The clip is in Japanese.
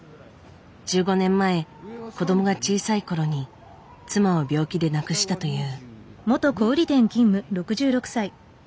１５年前子どもが小さい頃に妻を病気で亡くしたという。